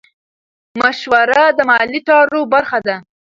مشوره د مالي چارو برخه ده.